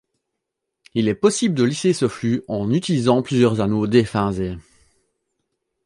Il est possible de lisser ce flux en utilisant plusieurs anneaux déphasés.